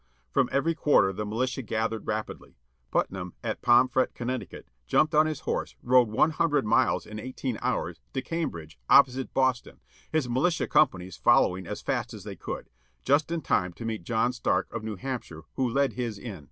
From every quarter the militia gathered rapidly. Putnam, at Pomfret, Conn., jumped on his horse, rode one htmdred miles in eighteen hours, to Cambridge, opposite Boston, his militia companies following as fast as they could ; just in time to meet John Stark of New Hampshire, who led his in.